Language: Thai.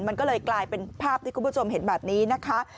มันก็เลยกลายเป็นภาพที่คุณผู้ชมเห็นแบบนี้นะคะ